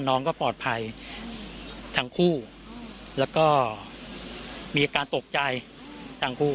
น้องก็ปลอดภัยทั้งคู่แล้วก็มีอาการตกใจทั้งคู่